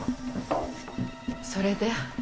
それで？